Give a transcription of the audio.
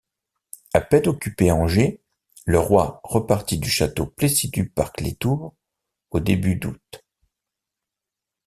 À peine occupé Angers, le roi repartit du château Plessis-du-Parc-lèz-Tours au début d'août.